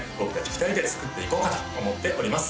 ２人で作っていこうかと思っております